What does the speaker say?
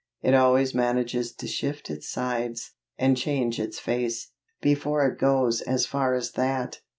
It always manages to shift its sides, and change its face, before it goes as far as that.